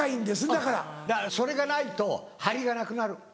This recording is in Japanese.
だからそれがないと張りがなくなる。